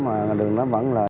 mà đường đó vẫn là hư hẳn